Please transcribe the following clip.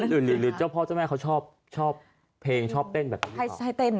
หรือเจ้าพ่อเจ้าแม่เขาชอบเพลงชอบเต้น